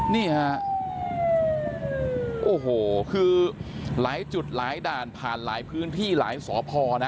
นี่ฮะโอ้โหคือหลายจุดหลายด่านผ่านหลายพื้นที่หลายสพนะ